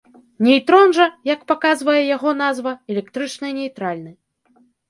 Нейтрон жа, як паказвае яго назва, электрычна нейтральны.